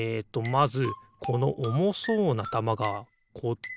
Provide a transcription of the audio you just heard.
まずこのおもそうなたまがこっちにころがって。